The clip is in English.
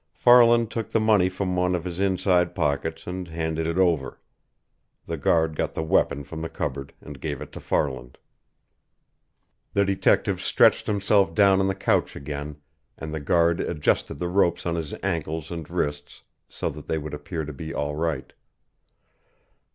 Farland took the money from one of his inside pockets and handed it over. The guard got the weapon from the cupboard and gave it to Farland. The detective stretched himself down on the couch again, and the guard adjusted the ropes on his ankles and wrists so that they would appear to be all right.